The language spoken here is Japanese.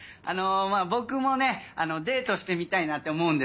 僕もねデートしてみたいなって思うんですけれどもね。